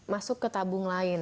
masuk ke tabung lain